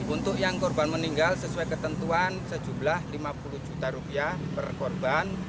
untuk yang korban meninggal sesuai ketentuan sejumlah lima puluh juta rupiah per korban